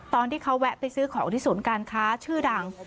ตอนที่เขาแวะไปซื้อของที่ศูนย์การค้าชื่อดัง